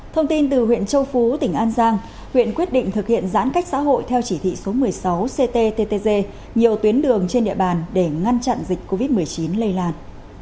thông tin từ huyện châu phú tỉnh an giang huyện quyết định thực hiện giãn cách xã hội theo chỉ thị số một mươi sáu cttg nhiều tuyến đường trên địa bàn để ngăn chặn dịch covid một mươi chín lây lan